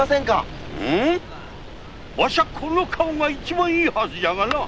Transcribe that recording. わしはこの顔が一番いいはずじゃが。